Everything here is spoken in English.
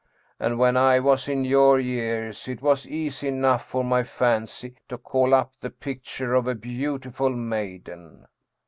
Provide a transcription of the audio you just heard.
And when I was in your years it was easy enough for my fancy to call up the picture of a beautiful maiden."